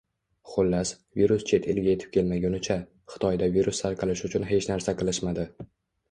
Xullas, virus chet elga yetib kelmagunicha, Xitoyda virus tarqalishi uchun hech narsa qilishmadi